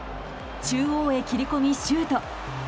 中央へ切り込み、シュート！